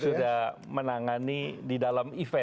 jadi saya tidak akan menangani di dalam event